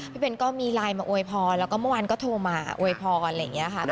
ปีเบนก็มีไลน์มาอวยพรแล้วก็เมื่อวานก็โทรมาอวยพร